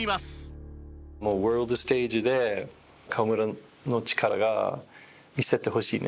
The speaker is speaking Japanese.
ワールドステージで河村の力を見せてほしいね。